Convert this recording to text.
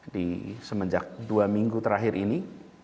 di semenjak dua minggu terakhir ini